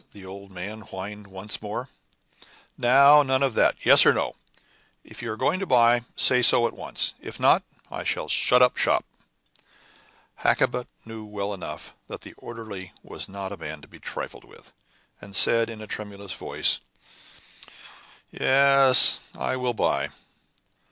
the old man whined once more. "Now, none of that! Yes or no? If you are going to buy, say so at once; if not, I shall shut up shop." Hakkabut knew well enough that the orderly was not a man to be trifled with, and said, in a tremulous voice, "Yes, I will buy."